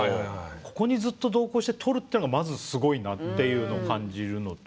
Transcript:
ここにずっと同行して撮るっていうのがまずすごいなっていうのを感じるのと。